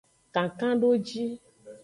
Kankandoji.